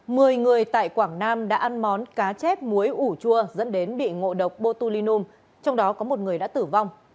mười người tại quảng nam đã ăn món cá chép muối ủ chua dẫn đến bị ngộ độc botulinum trong đó có một người đã tử vong